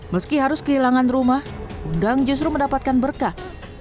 meski harus kehilangan rumah undang justru mendapatkan berkah